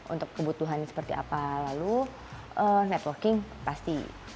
untuk kebutuhan seperti apa lalu networking pasti